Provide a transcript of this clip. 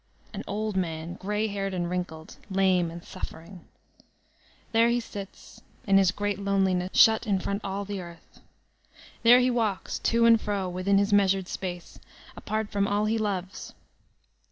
An old man, gray haired and wrinkled, lame and suffering. There he sits, in his great loneliness, shut in from all the earth« There he walks, to and fro, within his measured space, apart from all he loves